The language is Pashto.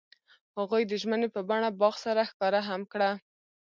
هغوی د ژمنې په بڼه باغ سره ښکاره هم کړه.